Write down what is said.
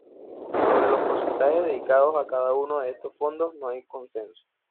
Sobre los porcentajes dedicados a cada uno de estos fondos no hay consenso.